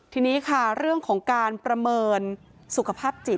ทีนี้ค่ะเรื่องของการประเมินสุขภาพจิต